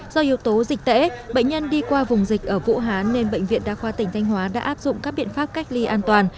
do yếu tố dịch tễ bệnh nhân đi qua vùng dịch ở vũ hán nên bệnh viện đa khoa tỉnh thanh hóa đã áp dụng các biện pháp cách ly an toàn